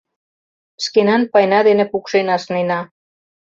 Шкенан пайна дене пукшен ашнена.